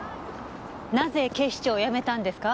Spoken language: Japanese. なぜ警視庁を辞めたんですか？